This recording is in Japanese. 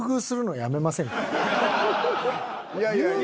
いやいやいや。